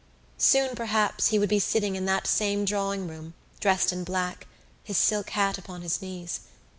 Soon, perhaps, he would be sitting in that same drawing room, dressed in black, his silk hat on his knees.